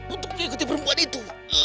untuk mengikuti perempuan itu